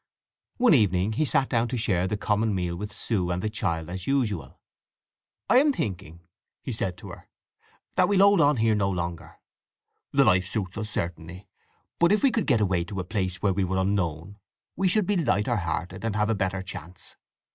One evening he sat down to share the common meal with Sue and the child as usual. "I am thinking," he said to her, "that I'll hold on here no longer. The life suits us, certainly; but if we could get away to a place where we are unknown, we should be lighter hearted, and have a better chance.